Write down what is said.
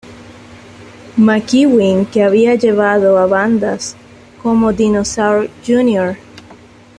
McEwen, que había llevado a bandas como Dinosaur Jr.